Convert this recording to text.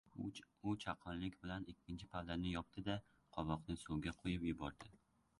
U chaqqonlik bilan ikkinchi pallani yopdi-da, qovoqni suvga qo‘yib yubordi.